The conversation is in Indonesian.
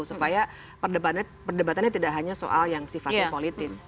supaya perdebatannya tidak hanya soal yang sifatnya politis